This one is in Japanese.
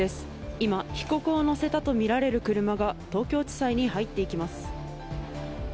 今、被告を乗せたと見られる車が、東京地裁に入っていきます。